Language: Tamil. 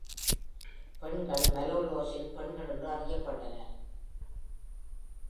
பெண்கள், மலோலோஸின் பெண்கள் என்று அறியப்பட்டனர்.